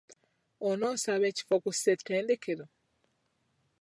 Onaasaba ekifo ku ssetendekelo?